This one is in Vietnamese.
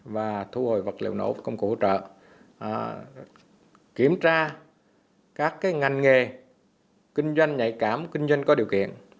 và thu hồi vật liệu nổ công cụ hỗ trợ kiểm tra các ngành nghề kinh doanh nhạy cảm kinh doanh có điều kiện